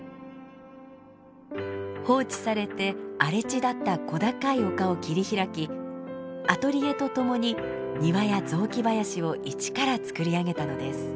放置されて荒れ地だった小高い丘を切り開きアトリエとともに庭や雑木林をいちからつくり上げたのです。